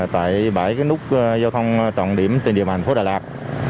tại bảy nút giao thông trọng điểm trên điều hành phố đà lạt